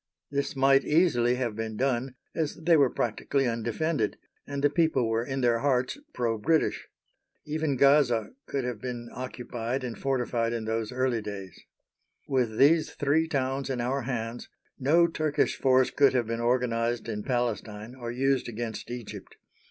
This might easily have been done, as they were practically undefended, and the people were in their hearts pro British. Even Gaza could have been occupied and fortified in the early days. With these three towns in our hands no Turkish force could have been organised in Palestine or used against Egypt.